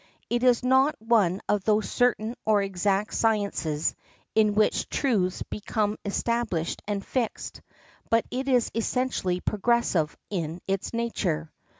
It is not one of those certain or exact sciences in which truths become established and fixed, but it is essentially progressive in its nature.